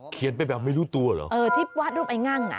ไปแบบไม่รู้ตัวเหรอเออที่วาดรูปไอ้งั่งอ่ะ